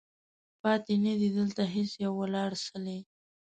پاتې نه دی، دلته هیڅ یو ولاړ څلی